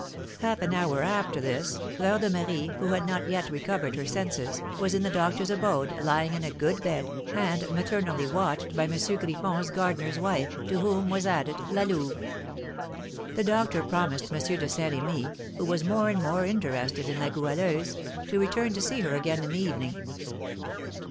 Half an hour after this, Fleur de Marie, who had not yet recovered her senses, was in the doctor's abode, lying in a good bed, and maternally watched by M. Griffon's gardener's wife, to whom was added La Louve. The doctor promised M. de Saint Remy, who was more and more interested in La Goualeuse, to return to see her again in the evening.